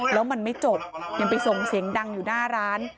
แล้วมันไม่จบยังไปส่งเสียงดังอยู่หน้าร้าน